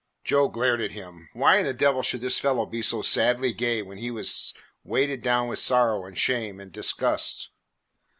Joe glared at him. Why in the devil should this fellow be so sadly gay when he was weighted down with sorrow and shame and disgust?